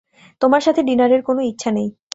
তোমার সাথে ডিনারের কোনো ইচ্ছা নেই।